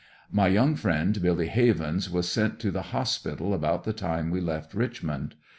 My young friend Billy Havens was sent to the hospital about the time we left Richmond.